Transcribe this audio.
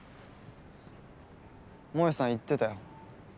もえさん言ってたよ。